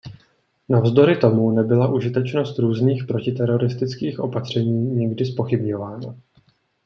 Navzdory tomu nebyla užitečnost různých protiteroristických opatření nikdy zpochybňována.